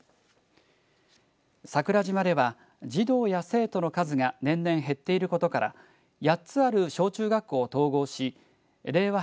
桜島では児童や生徒の数が年々減っていることから８つある小中学校を統合し令和